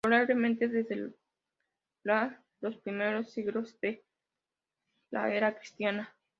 Probablemente desde la los primeros siglos de la era cristiana.